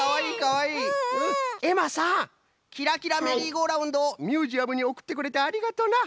えまさん「キラキラメリーゴーラウンド」をミュージアムにおくってくれてありがとうな！